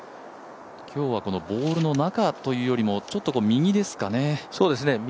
今日はボールの中というよりも、ちょっと右ですかね。